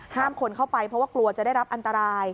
คนเข้าไปเพราะว่ากลัวจะได้รับอันตราย